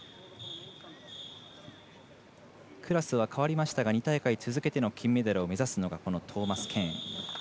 クラスは変わりましたが２大会続けての金メダルを目指すのがトーマスケーン。